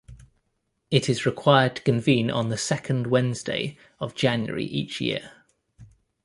It is required to convene on the second Wednesday of January each year.